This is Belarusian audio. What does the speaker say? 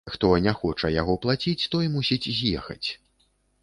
Хто не хоча яго плаціць, той мусіць з'ехаць.